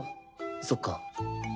そっか。